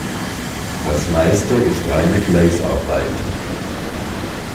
Das Meiste ist reine Fleißarbeit.